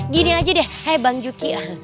gini aja deh eh bang juki